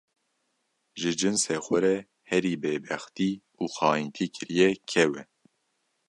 ji cinsê xwe re herî bêbextî û xayîntî kiriye kew e.